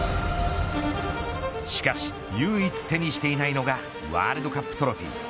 しかし、唯一手にしていないのがワールドカップトロフィー。